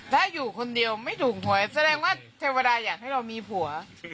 ถ้าอยู่คนเดียวไม่ถูกหวยแสดงว่าเทวดาอยากให้เรามีผัว